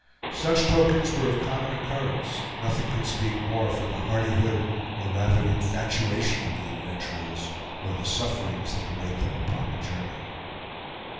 Such tokens were of common occurrence, nothing could speak more for the hardihood, or rather infatuation, of the adventurers, or the sufferings that await them upon the journey.